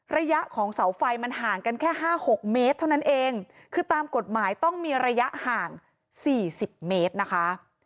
ระยะของเสาไฟมันห่างกันแค่ห้าหกเมตรเท่านั้นเองคือตามกฎหมายต้องมีระยะห่างสี่สิบเมตรนะคะ